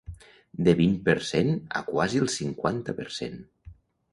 De vint per cent a quasi el cinquanta per cent.